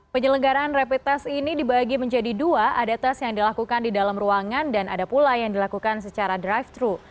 penyelenggaran rapid test ini dibagi menjadi dua ada tes yang dilakukan di dalam ruangan dan ada pula yang dilakukan secara drive thru